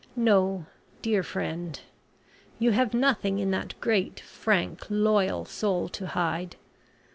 No, dear friend. You have nothing in that great frank, loyal soul to hide.